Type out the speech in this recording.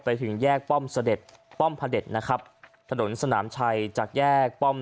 ไปถึงแยกป้อมเสด็จป้อมพระเด็จนะครับถนนสนามชัยจากแยกป้อม